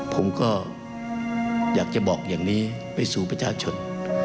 ผมก็อยากจะบอกอย่างนี้ไปสู่ประชาชน